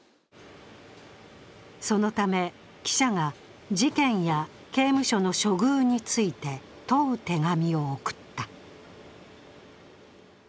そのため記者が、事件や刑務所の処遇について問う手紙を送った。